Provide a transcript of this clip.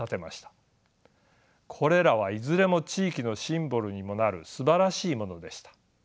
これらはいずれも地域のシンボルにもなるすばらしいものでした。